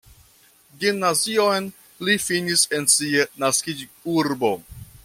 Gimnazion li finis en sia naskiĝurbo.